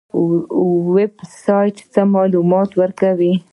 ویب سایټ څه معلومات ورکوي؟